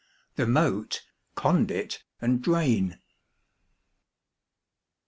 The Moat, Conduit and Drain.